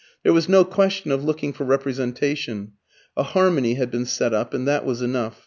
There was no question of looking for representation; a harmony had been set up, and that was enough.